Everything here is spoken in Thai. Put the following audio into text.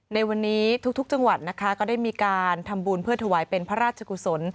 ในวันนี้ทุกจังหวัดนะคะก็ได้มีการทำบุญเพื่อถวายเป็นพระราชกุศล